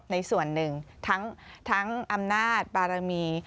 ในส่วนหนึ่งทั้งอำนาจบารมี